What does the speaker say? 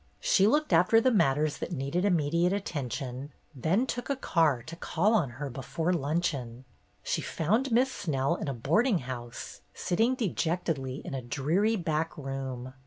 She looked after the matters that needed im mediate attention, then took a car to call on her before luncheon. She found Miss Snell in a boarding house, sitting dejectedly in a dreary back room.